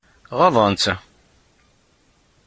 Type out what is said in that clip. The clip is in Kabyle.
Ɣaḍent-t?